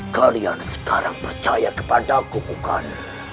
kalian sekarang percaya kepadaku bukan